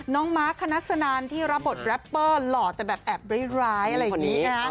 มาร์คคณัสนันที่รับบทแรปเปอร์หล่อแต่แบบแอบร้ายอะไรอย่างนี้นะฮะ